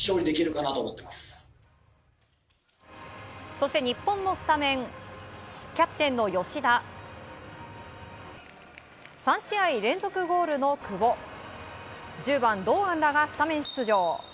そして日本のスタメンキャプテンの吉田３試合連続ゴールの久保１０番、堂安らがスタメン出場。